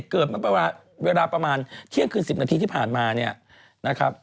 เกือบเวลาประมาณเที่ยงคืน๑๐นาทีที่ผ่านมานะครับ